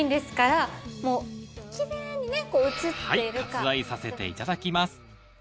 はい割愛させていただきます